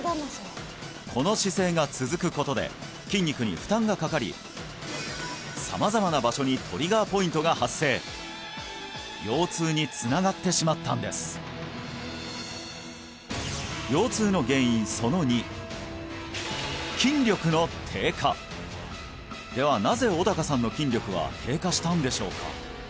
この姿勢が続くことで筋肉に負担がかかり様々な場所にトリガーポイントが発生腰痛につながってしまったんですではなぜ小高さんの筋力は低下したんでしょうか